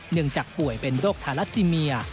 เนื่องจากป่วยเป็นโรคทาราซิเมีย